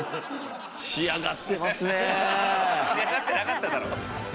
仕上がってなかっただろ。